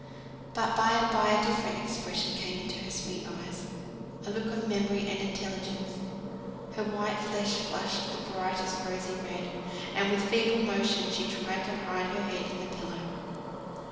But by and by a different expression came into her sweet eyes; a look of memory and intelligence; her white face flushed the brightest rosy red, and with feeble motion she tried to hide her head in the pillow.